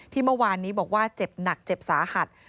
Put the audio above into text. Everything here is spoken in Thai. เมื่อวานนี้บอกว่าเจ็บหนักเจ็บสาหัส